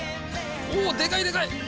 うおでかいでかい！